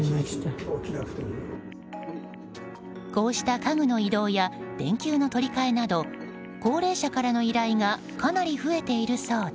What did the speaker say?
こうした家具の移動や電球の取り換えなど高齢者からの依頼がかなり増えているそうで。